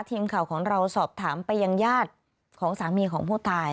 ทีมข่าวของเราสอบถามไปยังญาติของสามีของผู้ตาย